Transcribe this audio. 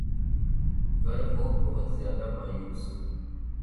گر وہ بہت زیادہ مایوس